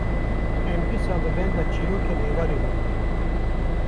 em dîsa li benda çîrokên êvarê bûn.